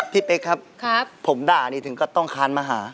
เป๊กครับผมด่านี่ถึงก็ต้องคานมาหา